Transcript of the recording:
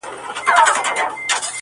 • د پیر نیکونه ټول غوثان تېر سوي -